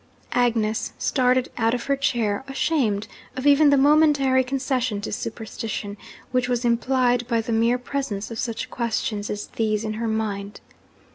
Agnes started out of her chair, ashamed of even the momentary concession to superstition which was implied by the mere presence of such questions as these in her mind.